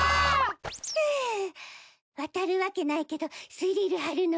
フゥ渡るわけないけどスリルあるの。